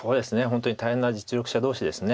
本当に大変な実力者同士です。